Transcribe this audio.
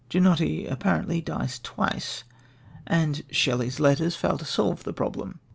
Ginotti, apparently, dies twice, and Shelley's letters fail to solve the problem.